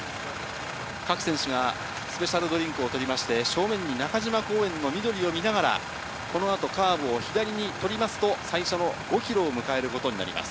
各選手がスペシャルドリンクを取りまして、正面に中島公園の緑を見ながら、このあとカーブを左に取りますと、最初の５キロを迎えることになります。